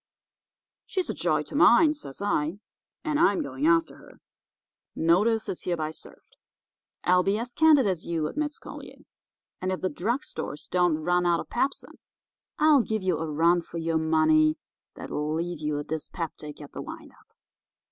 "'She's a joy to mine,' says I, 'and I'm going after her. Notice is hereby served.' "'I'll be as candid as you,' admits Collier, 'and if the drug stores don't run out of pepsin I'll give you a run for your money that'll leave you a dyspeptic at the wind up.